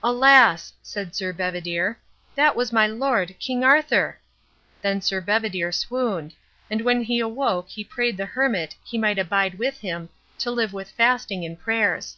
"Alas!" said Sir Bedivere, "that was my lord, King Arthur." Then Sir Bedivere swooned; and when he awoke he prayed the hermit he might abide with him, to live with fasting and prayers.